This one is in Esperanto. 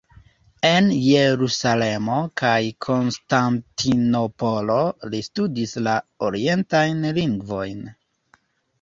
En Jerusalemo kaj Konstantinopolo li studis la orientajn lingvojn.